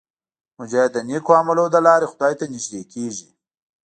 مجاهد د نیک عملونو له لارې خدای ته نږدې کېږي.